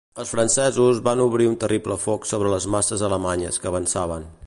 Els francesos van obrir un terrible foc sobre les masses alemanyes que avançaven.